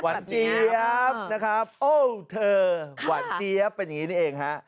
เจี๊ยบนะครับโอ้เธอหวานเจี๊ยบเป็นอย่างนี้นี่เองฮะ